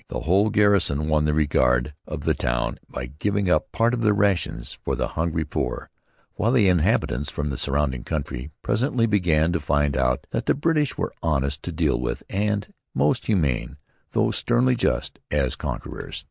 The whole garrison won the regard of the town by giving up part of their rations for the hungry poor; while the habitants from the surrounding country presently began to find out that the British were honest to deal with and most humane, though sternly just, as conquerors.